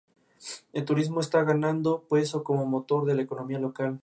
El turismo está ganando peso como motor de la economía local.